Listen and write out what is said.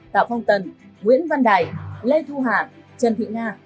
tạ phong tần nguyễn văn đài lê thu hà trần thị nga